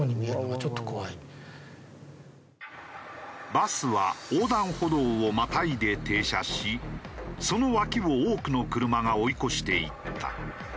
バスは横断歩道をまたいで停車しその脇を多くの車が追い越していった。